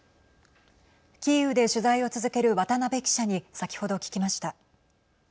キーウで取材を続ける渡辺記者に先ほど聞きました。